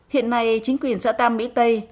hiện nay chính quyền sở tam mỹ tây